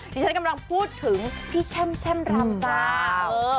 ที่ฉันกำลังพูดถึงพี่แช่มแช่มรามสาว